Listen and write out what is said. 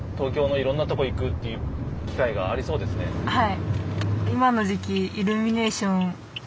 はい。